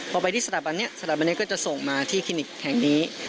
พอไปที่สถาบันนี้สถาบันนี้ก็จะส่งมาที่คลินิกแห่งนี้